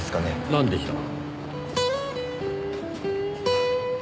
なんでしょう？